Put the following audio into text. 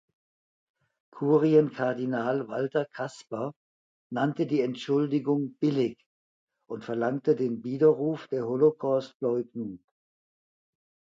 Kurienkardinal Walter Kasper nannte die Entschuldigung „billig“ und verlangte den Widerruf der Holocaust-Leugnung.